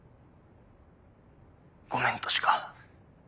「ごめん」としか。